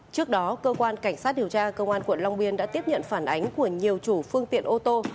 trước đó cơ quan cảnh sát điều tra công an tp hcm đã tiếp nhận phản ánh của nhiều chủ phương tiện ô tô